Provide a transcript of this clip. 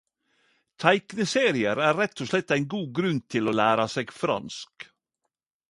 Teikneseriar er rett og slett ein god grunn til å læra seg fransk.